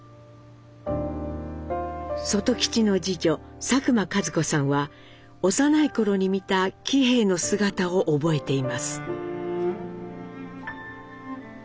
外吉の次女・佐久間和子さんは幼い頃に見た喜兵衛の姿を覚えています。